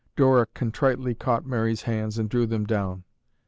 Dora contritely caught Mary's hands and drew them down.